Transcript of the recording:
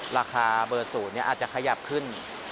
ราคาเบอร์๐อาจจะขยับขึ้น